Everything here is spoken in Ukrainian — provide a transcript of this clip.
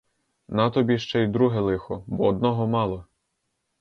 На тобі ще й друге лихо, бо одного мало!